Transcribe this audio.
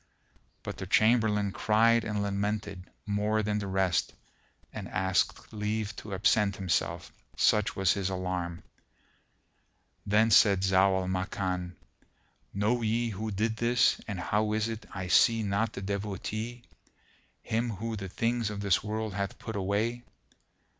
But the Chamberlain cried and lamented more than the rest and asked leave to absent himself, such was his alarm. Then said Zau al Makan, "Know ye who did this deed and how is it I see not the Devotee, him who the things of this world hath put away?"